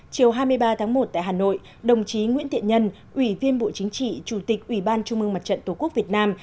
chiều hai mươi ba tháng một tại hà nội đồng chí nguyễn thiện nhân ủy viên bộ chính trị chủ tịch ủy ban trung mương mặt trận tổ quốc việt nam